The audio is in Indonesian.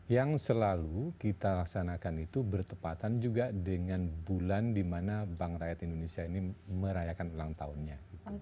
yang selalu kita laksanakan itu bertepatan juga dengan bulan di mana bank rakyat indonesia ini merayakan ulang tahunnya